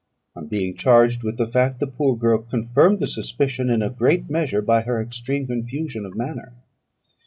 On being charged with the fact, the poor girl confirmed the suspicion in a great measure by her extreme confusion of manner.